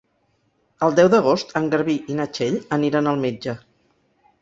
El deu d'agost en Garbí i na Txell aniran al metge.